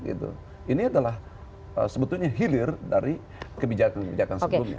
rumit persoalan di belakangnya ini adalah sebetulnya hilir dari kebijakan kebijakan sebelumnya